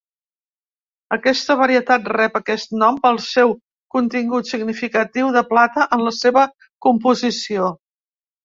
Aquesta varietat rep aquest nom pel seu contingut significatiu de plata en la seva composició.